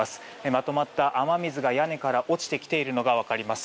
まとまった雨水が屋根から落ちてきているのが分かります。